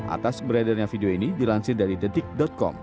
atas beredarnya video ini dilansir dari detik com